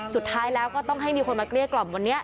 สุดท้ายแล้วก็ต้องให้มีคนมาเกลี้ยกล่อมวันนี้